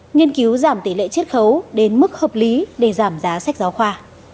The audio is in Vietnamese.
nghiên cứu giảm tỷ lệ triết khấu đến mức hợp lý để giảm giá sách giáo khoa